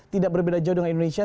tidak berbeda jauh dengan indonesia